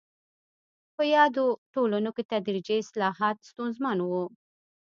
په یادو ټولنو کې تدریجي اصلاحات ستونزمن وو.